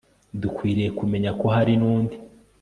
dukwiriye kumenya ko hari nundi